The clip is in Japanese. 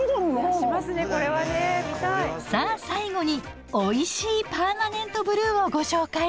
さあ最後においしいパーマネントブルーをご紹介！